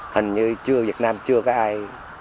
hình như chưa việt nam chưa có ai